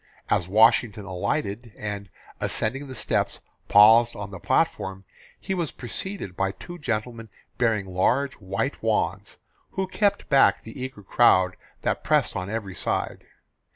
As Washington alighted and, ascending the steps, paused on the platform, he was preceded by two gentleman bearing large white wands, who kept back the eager crowd that pressed on every side.